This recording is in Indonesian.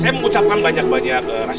saya mengucapkan banyak banyak rasa syukur juga